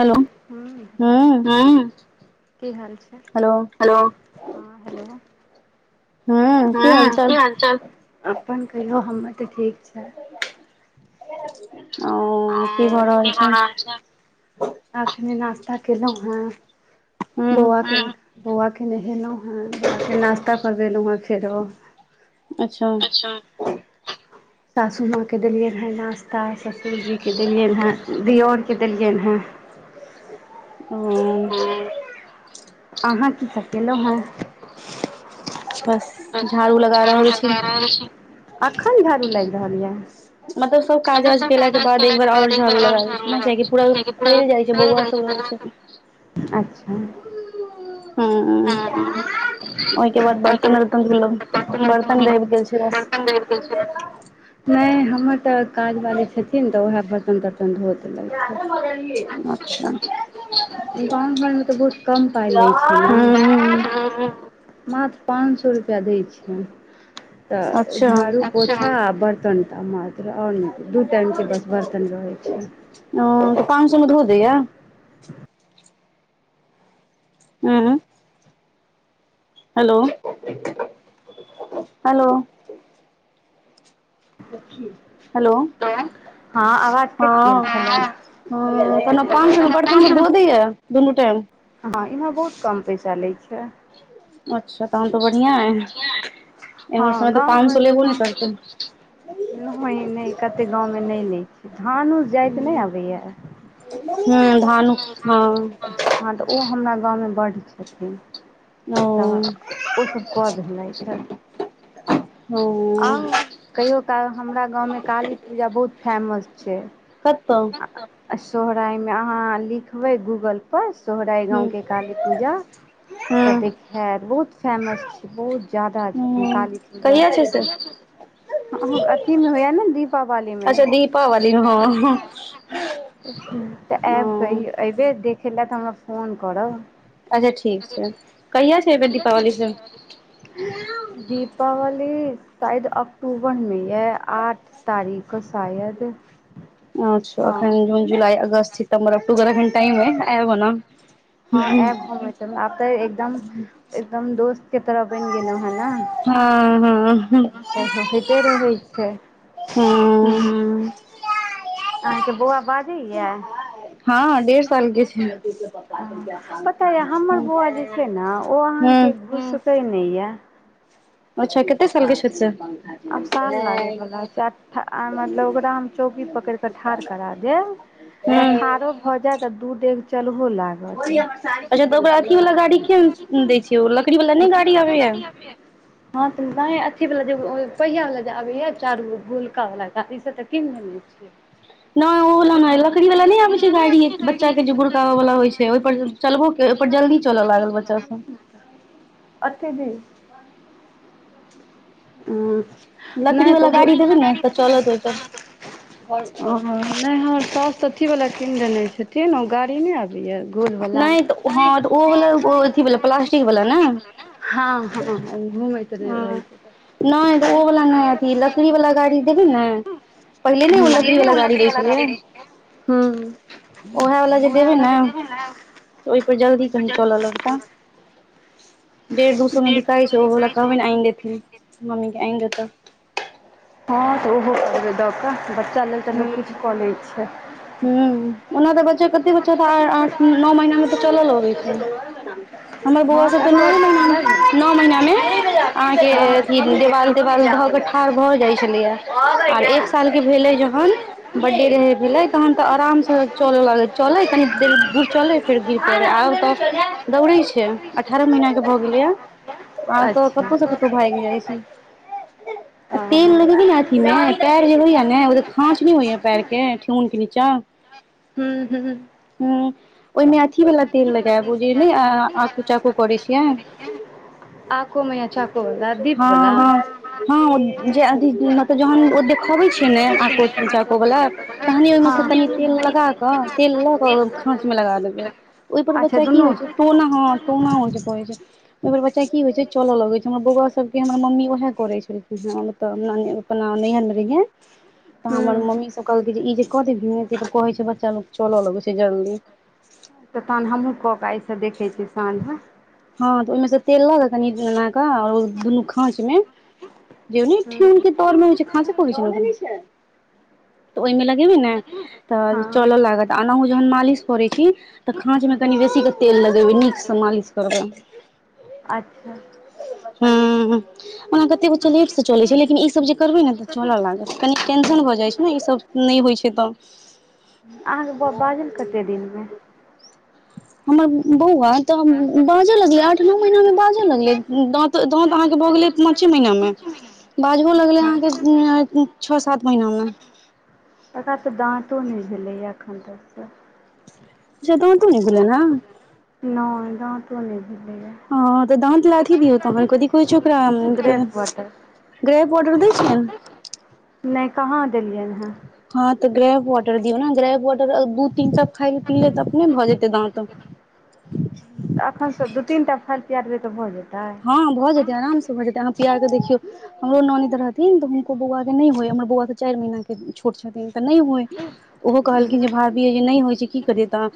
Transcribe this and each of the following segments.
Hello हूँ ह ह की हाल छै [unintelligible] हेलो हँ हेलो ह की हाल चाल अपन कहियौ हमर तऽ ठीक छै ओ की भऽ रहल छै अखने नास्ता केलौ हँं हूँ बौआ के बौआके नहेलौ है बौआ के नाश्ता कर लौउ है फेरो अच्छा सासुमाँ के देलियनि हँ नाश्ता ससुरजीके देलियनि हँ दिअरके देलियनि ह ह अहाँ की सब गेललहु है बस ब झाड़ू लगा झड़ रहल छी लगा रहल छी [unintelligible] एखन झारु लागि रहल यए मतलब सब काज वाज केला के बाद एकबार और झाड़ू लगाबै छीयै ने किया कि पूरा फैल जाइ छै बौआ सब रहै छै अच्छा हूँ ओहिके बाद ह बर्तन उर्तन धोलहुँ बर्तन रहि गेल छै बस [unintelligible] नहि हमर तऽ काजवाली छथिन तऽ ओएह बर्तन तरतन कन्दधोत लागैत रहै [unintelligible] कि भ गेलय [unintelligible] [unintelligible] गाँव घरमे तऽ बहुत कम पाइ लै छै न हूँ हूँ मां थ पाँच सए रुपैया दै छै तऽ अच्छा झाड़ू ओ पोछा आ बर्तन टा माज दू टाइम के बस बर्तन रहै छै ओ तऽ पाँन सौ मे भ जाएय आं हेलो हेलो हेलो हँ आवाज कटि गेल छलै हँकनो पाँच सौ मे बर्तन सब धो दैय दुनू टाइम हँ इमहर बहुत कम पैसा लै छै अच्छा तहन तऽ बढ़ियां हँ एम्हर सममेतऽ गाँव पाँच घर सो तऽ लेबो ने पाँच सौ करतै लेत नहि नहि कते गाँवमे नहि लै छै धानु जाइत नहि अबैया हँ धानु क हँ हँ तऽ ओ हमरा गाँवमे बड्ड छथिन तऽ ओ ओसभ कऽ देनाथ हए ओ आउ कहियो काल हमरा गाँवमे काली पूजा बहुत फैमस छै कत सोहराइ मे अहाँ लिखबै गूगल प सोहराइ हूँ गाँवके काली पूजा तऽ हूँ देखएत बहुत फैमस छै बहुत जायदा छथिन हूँ काली पूजा कहिया छै से अथीमे होए न दीपावलीमे अच्छा दीपावली मे हँ तऽ आब क ओ एबे देखै लए तऽ हमरा फोन करब अच्छा ठीक छै कहिया छै एहि बेर दीपावली स दीपावली शायद अक्टूबरमे यऽ आठ तारिख शायद अच्छा हँ अखन जून जुलाई अगस्त सितम्बर अक्टूबर एखन टाइम अय एब ओना हँ आएब हम आब तऽ एकदम एकदम दोस्त के तरफ बनि गेलो हे हँ हँ ने तै होइते रहै छै हू ह आहाँके बौआ बाजैया हँ डेढ़ साल के छै पता य हमर बौआ जे छै ने ओ अहाँके हँ घुसकै नहि य अच्छा कतेक आब साल लागैवला छै मतलब ओकरा हम चौकी पकड़ि ठार करा देब त ठारो भ जात दू डेग चलहो लागल अच्छा तऽ ओकरा अथी वाला गाड़ी किया न दै छीयै ओ लकड़ी वाला नहि गाड़ी आबैय न अथी वला जे पहिय वला जे आबैए चारू गोलका वाला से तऽ कीन देने छियै नहि ओ वला नहि लकड़ी वाला नहि आबै छै गाड़ी एक बच्चा के जे गुड़काबऽ वाला होइ छै ओहि पर चलबोे ओपर जल्दी चलऽ लागल बच्चा सब अथे दिही अ ह नहि तऽ लकड़ी वाला गाड़ी चलत नहि हमर सास अथी वाला कीन देने छथिन ने ओ गाड़ी नहि आब गोल वला नहि तऽ हँ तऽ ओ वाला अथी वाला प्लास्टिक वाला ने हँ हँ घूमेत जे रहे हँ छै नहि ओ वाला नहि अथी लकड़ी वाला गाड़ी देभी ने पहिले नहि ओ लकड़ी वला गाड़ी दै छलै हूँ ओहे वला जे देबे ने ओहि पर जल्दी कही चलय लगता डेढ़ दू सौ मे बिकाई छै ओ कहबे ने आनि देथिन मम्मी के आनि देता हँ तऽ ओहो करबै दऽ कऽ बच्चा लेल तऽ लोक किछ कऽ लै छै ह ओना त बच्चा कते बच्चा तऽ आठ नौ महीना मे तऽ चलऽ लगै छै हमर बौआ हँ सब तऽ नो आरो महीना नहि ने मे नओ महिीना मे अहाँके हँ अथी देवाल देवाल भऽ के ठाढ़ भऽ जाइत छलैया आर एक साल के भेलै जहन बड्डे रहे भेलै तहन तऽ आरामसँ चलल चलै कनि चले फेर गिर परे आ त दौड़े छै अठारह महीना के भऽ गेलैय आब तऽ अच्छा कतो स कतो भागि जाइ छै आ हँ तेल हूँ लगेबही ने अथी मे पैर जे होइया ने होइ य पैर के ठेहुन के नीचा हूं हूं हूँ ओहिमे अथी वाला तेल लगायब ओय जे नय आकू चाकू करै छियै आको मे या चाको वाला दीप वाला हँ हँ हँ जे अथि मतलब जहन ओ देखबै छै ने आको निचकोवला तहनि ओहिमे सँ कनि तेल लगाकऽ तेल लऽ कऽ ओ खाँचमे लगा देबै ओहिपर अच्छा बच्चा की दुनू होइ छै टोना हँ टोना होइ छै कहै छै ओर बच्चा की होइ छै चलऽ लगै छै हमर बौआ सबके हमर मम्मी उएह करे छलखिन है तऽ अपना अपना नैहर में रहियै तऽ हूँ हमर मम्मी सभ कहलकै जे ई जे क लेबहि ना तऽ कहै छै बच्चा लोक चलऽ लगै छै जल्दी तऽ तहन हमहूँ कऽ केऽ एहिस देखैत छियै साँझमे हँ तऽ ओहिमेसँ तेल लऽ क कनि एन कऽ आर दुनू खाँचमे जे ने ठेहुन के तौर मे होइ छै खस तऽ ओहिमे लगेबी ने तऽ हँ चलऽ लागत आनाहु जखन मालिश करैत छै। तऽ खाँचमे कनि बेसीके तेल लगेबै नीकसँ मालिश करबै अच्छा हूँ, ओना कतेक्स बच्चा लेट चलेबसँ चलैत छै। लेकिन ईसभ जे करबै ने तऽ चलय लागत कनि टेंशन भऽ जाई छै। इ सभ नहि होय छै त अहाँके बाजल कते दिनमे। हमर बौआ तऽ बाजे लगले आठ नो महीनामे बाजे लगले दाँत अहाँकेँ भऽ गेलै पाँचे महीनामे बाजो लगलै अच्छा अहाँकेँ छः सात महीनामे। एकरा तऽ दाँतो नहि भेलैए एखन तक त जरूर नहि दांतो नहि भैलैया हँ, तऽ दाँत लाथी दियौ तोर कथी कहै छै ओकरा। ग्रेप वाटर ग्रैाडर पाडर दै छैन? नहि कहाँ देलियनि हँ। हँ, तऽ ग्रैाडर दियौ ने ग्रैाडर दू तीन सभ खाय लए पी ले त अपने भऽ जेतै द तऽ तऽ अखनसे दू तीन टा फल तआरबै तऽ भऽ जेतै हँ, भऽ जेतै आरामसँ भऽ जेतै अहाँ पिया कऽ देखियौ। हमरो ननद तऽ रहथिन तऽ हुनको बौआके नहि होयइ हमर बौआ तऽ चारि महीनाके छोट छथिन तऽ नहि होय। ओहो कहलखिन जे भाभी यै जे नहि होइ छै, कि करियै तऽ।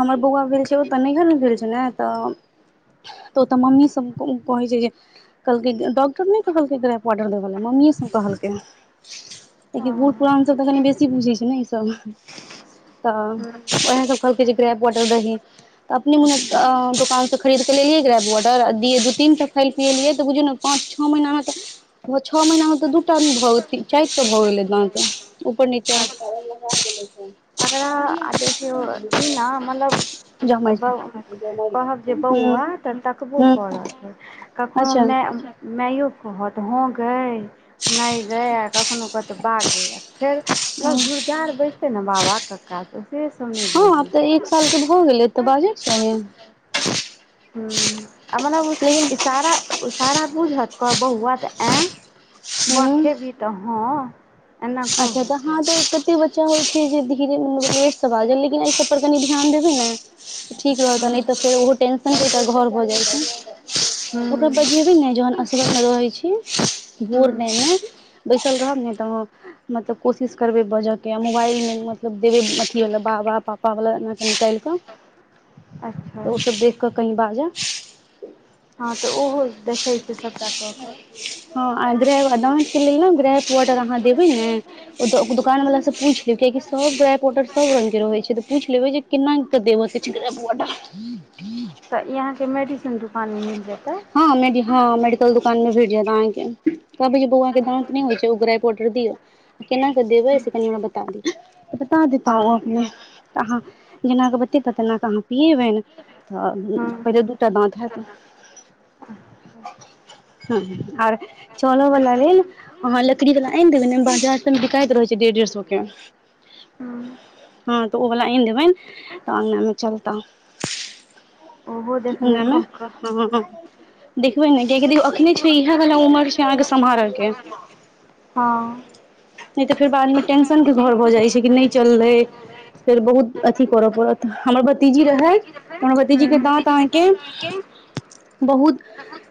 हमर बौआ भेल छै, ओ तऽ नैहरमे भेल छै, ने तऽ ओतऽ मम्मी सभ उ कहै छै जे कहलकय डॉक्टर ने कहलकय ए‌करा पौडर देबे मम्मी सभ कहलकय ओ लेकिन बूढ़ पुरान तऽ बेसी बुझै छै ने ई सभ तऽ ह्म ओएह सभ कहलकै जे ग्रैाडर पॉडी दही तऽ अपने मने अच्छा दोकानसे खरीदके लेलियै ग्रेब वोर्डर दिय तीनटा पिएलियै त बुझू ने पाँच छः महीना मे तऽ छः महीनामे तऽ दूटा भऽ चारि टा भऽ गेलै द ऊपर नीचा। अच्छा एकरा देखियौ ई ने मतलब जमै छै कहब जे हूँ बौआ तऽ तकबो हूँ करत, कखनो अच्छा मऽ मइयो कहत हँ, गय। नहि भय, कखनो कऽ तऽ पाँच मिनट फेर झुरजार करतै ने। बाबा-कका तऽ से समय हँ आब बोलै। तऽ एक साल के भऽ गेलै तऽ बाजै छै ह आरा लेकिन इसार इसारा बुझत कहब बौआ तऽ ए बौआ हूँ खेबी तऽ हँ। एना कहत अच्छा, तऽ हूँ हँ तऽ कऽ। चा होइ छै जे धीरे-धीरे सभ लेटसँ बाजल, लेकिन एहि सभपर कनि ध्यान देबै ने। ठीक रहत नहि हूँ तऽ फेर ओहो टेंशनके ह घर भऽ जाइत छै। ओकरा बजियए भी नहि जोहन। असगरमे रहै छी, हूँ भोरमे ओहिमे बैसल रहब, नहि तऽ हँ। मतलब कोशिश करबे बजय के मोबाइलमे मतलब देबे अथि होला बाबा पापा पहिले एना निकालि कऽ तऽ अच्छा ओसभ देख कऽ कही बाजऽ। हँ तऽ ओहो देखैत छै। सभटा कऽ हँ, आ ग्रा आ दाँतके लेल ने, ग्रे ऑर्डर अहाँ देबै ने? ओ दोकानवालासँ पूछि लेबै, किएक तँ सभ ड्राइ पोटर सभ रंगके रहै छै, तऽ पूछि लेबै जे। कना कऽ देव चब [unintelligible] तऽ ई अहाँकेँ मेडिसन दुकानमे मिल जेतै। हँ मेदि हँ म कल दुकानमे भेट जायत अहाँकेँ कहै छै, बौआ के दांत न होइ छै उगराई पाडर दियऔ केना कऽ देबै एहिऐ कनि हमरा बता दिय बता देता हँ ह अपने। तऽ अहाँ जेनाकऽ बतेता तेनाकऽ अहाँ पियबनि तऽ हँ पहिले दूटा दाँत हैत। हं आर चलऽ वाला लेल अहाँ लकड़ी वाला आनि देबै ने बाजार मे बिकायइत रहैत छै डेढ़ डेढ़ सौ के हँ हँ तऽ ओ वला आनि देबनि तऽ अङगनामे चलता ओहो ह देखबै ने कऽ कऽ ह [unintelligible] देखबे ने कियकि देखूं अखने छै इहै वाला उमर छै अहाँके सम्हार के हँ नहि तऽ फेर बादमे टेंशनके घर भऽ जाइत छै कि नहि चललै फेर बहुत अथी करऽ पड़त हमर भतीजी रहै फेर तऽ हमर भतीजीके हूं दाँत भतीजी के अहाँके कहय तरे के बहुत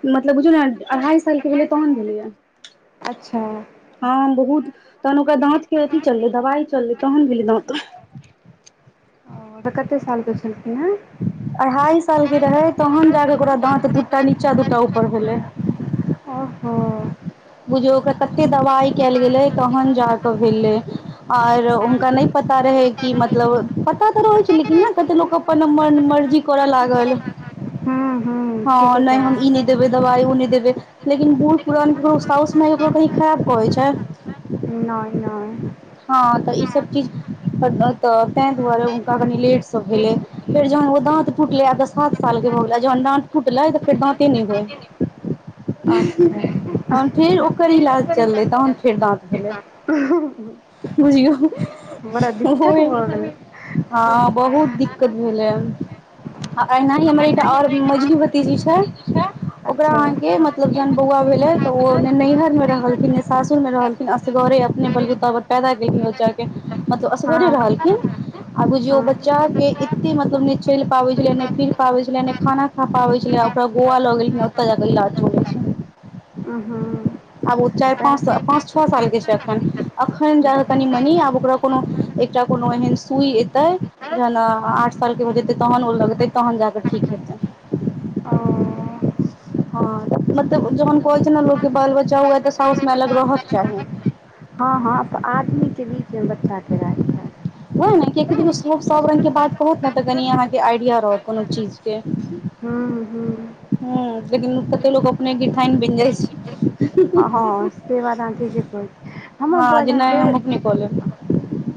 मतलब बुझौ ने अढ़ाई सालके भेलै तहन भेलैएा अच्छा हँ बहुत तहन ओकरा दाँत के अथी चललै दवाइ चललै तहन भेलै दाँत ओ तऽ कते सालके छलखिन हँ अढ़ाई साल के रहै तहन जाके ओकरा दाँत दूटा नीचा दूटा ऊपर भेलै ओहो बुझियौ ओकरा कते दबाइ कयल गेलै तहन जा कऽ भेलै आर हुनका नहि पता रहै कि मतलब पता तऽ रहैत छै लेकिन ने कतेक लोकक अपन मन मर्जी कर लागल हूँ हूँ हँ ठीके नहि हम ई नहि कहलौं देबे दवाइ ओ नहि देबे लेकिन बहुत पुरान साउस माय ककरो कही खराब कहै छै नय नय हँ तऽ ईसभ चीज तऽ ताहि दुआरे हुनका कनि लेटसँ भेलै फेर जहन ओ दाँत टूटले आब त सात साल के भ गेलै जहन दाँत टूटले त फेर दांते नहि अच्छा होए [unintelligible] तहन फेर ओकर इलाज चललै तहन फेर दाँत भेलै बुझियौ बड़ा दिक्कत भऽ गेलै हँ बहुत दिक्कत भेलै हन आ एना ही हमर एकटा आओर मझिली भतीजी छै ओकरा अच्छा अहाँके मतलब जहन बौआ भेलै तऽ ओ ने नैहर मे रहलखिन नहि सासुर मे रहलखिन असगरे अपने बलबूताबर पैदा केलखिन ओाक मतलब असगरे हँ रहलखिन हँ आ बुझिय ओ बच्चा के एते मतलब नहि चलि पाबै छले ने नहि फिर पाबै छले ने खाना पप्पा आबै छलै आ ओकरा गोआ लऽ गेलखिन ओतय जऽ इलाज होय अ हाँ आब ओ चैर पाँच पाँच छह साल के छै एखन अखन जाक कनि मनी आब ओकरो कोनो एकटा कोनो एहन सुइ एतै जेना आठ सालके हो जेतै तहन ओ लगतै तहन जा कऽ ठीक हेतै ओ हँ मतलब जे हम कहै छै ने लोक बाल बच्चा कयो यै तऽ साउसमे अलग रहऽके चाही हँ हँ त आदमी के बीच मे बच्चा के राख ह केकरो सब रङ्गके बात कहत ने तऽ कनि अहाँके आइडिया रहत कोनो चीजके हू ह ह लेकिन कतेक लोक अपने गिरथाइन बनि जाइ छै हँ हँ से बात अहाँ ठिके कहै छै हमर हँ वजन नहि जे हम अपने कऽ लेब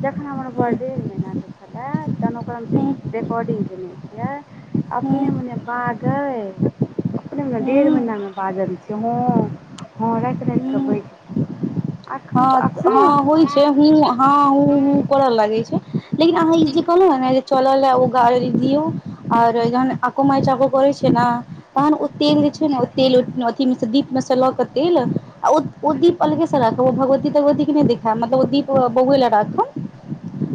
जखन हमर हूँ बर्डे ईमहिनाके छलै तहन ओकर हूँ रेकॉर्डिंग केने छल हूँ अपने मने बागे अपने मने डेढ़ हूँ महीना मे बागल छी त हाँ हँ राति राति कऽ हूँ बै जेतै हँ हँ होइ छै ह हँ करऽ लागै छै लेकिन अहाँ ई जे कहलौ ह ने जे चलल ओ गाड़ दियऔ आर जहन कमाय चाबो कर छियै ने तहन ओ तेल जे छै ने ओ तेल अथि मे ओ दीप मे से ल के तेल आ दीप अलगे से राख ओ भगवतती तगवती क नय देखाब मतब ओ दीप बैए ल‌ राखब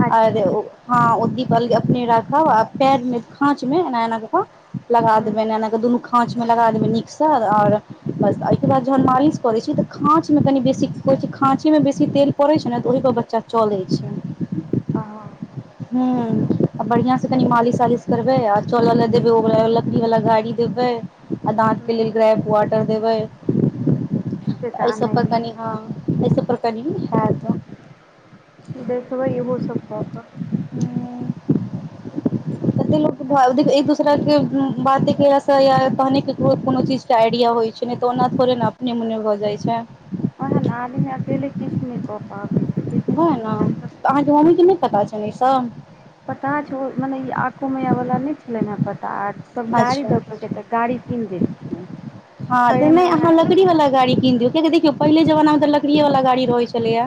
अच्छा दे ओ हाँ ओदीप अलगे अपने राखब आ पैरमे खाँचमे एना एना कऽऽ लगा हँ देबै एना एना क के दुनू खाँचमे लगा देबै नीकसँ आओर बस एहिके बाद जेहन‌ मालिश करैछी तऽ खाँचमे कनि बेसी खाँचीमे बेसी तेल पड़ैत छै ने तऽ ओहिपर बच्चा चलै द छै आहाँ ह आ बढ़िया से कनि मालिश वालिश करबे आ च ल देब ओ वालालकड़ी वाला गाड़ी देबै आ दाँतके हँ लेल ग्रैप वाटर देबै से तऽ एहि सभ पर कनि आनहिये हँ एहिसभ पर कनि हए त देखबै इहो सब क कऽ ह लोक के कनी एक दस के बाते या कहने केकरो कोनो चीज के आइडिया होय छै ने त ओना थोड़े ने निमुनियाभ जाइत छै ओहे न आदमी अकेले किछु नहि क पाबै छै किछो होय नहि जब न तक त अहाँके मम्मी के नय पता छैन ईसभ पता छौ मने ई आको मैया वला नय छलैन है पता आ सब गाड़ी अच्छा दक जेतै त गाड़ी कीन देलखिन हँ त छए नहि महीना अहाँ के लकड़ी वाला गाड़ी कीन दियौ क देखियौ पहिले जमानामे त लकड़ियेवला गाड़ी रहै छलैया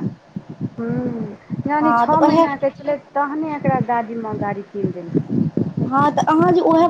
हूँ जहन छओ उएह महीनाके छलै तहने एकरा दादीमे गाड़ी कीनि दै हँ त अहाँ जे ओहै